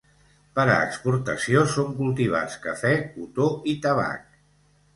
Per a exportació són cultivats cafè, cotó i tabac.